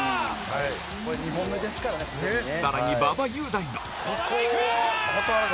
更に馬場雄大が。